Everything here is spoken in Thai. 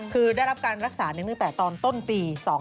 คือได้รับการรักษาตั้งแต่ตอนต้นปี๒๕๕